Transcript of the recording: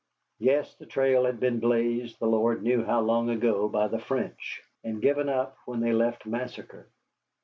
Yes, the trail had been blazed the Lord knew how long ago by the French, and given up when they left Massacre.